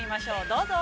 どうぞ。